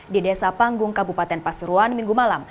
di desa panggung kabupaten pasuruan minggu malam